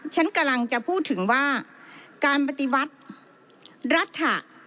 ฉันกำลังจะพูดถึงว่าการปฏิวัติรัฐ